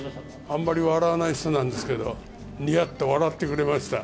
あんまり笑わない人なんですけど、にやっと笑ってくれました。